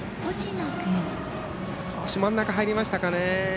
少し真ん中入りましたかね。